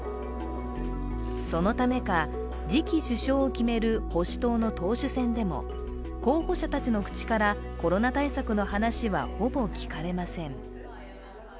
そのためか、次期首相を決める保守党の党首選でも候補者たちの口からコロナ対策の話はほぼ聞かれません。